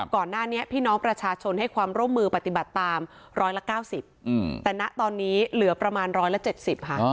ก่อนหน้านี้พี่น้องประชาชนให้ความร่วมมือปฏิบัติตามร้อยละ๙๐แต่ณตอนนี้เหลือประมาณ๑๗๐ค่ะ